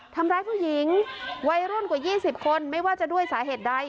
ทำร้ายผู้หญิงวัยรุ่นกว่า๒๐คนไม่ว่าจะด้วยสาเหตุใด